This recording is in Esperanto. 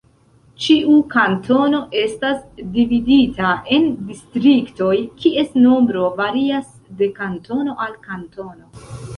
Ĉiu kantono estas dividita en distriktoj kies nombro varias de kantono al kantono.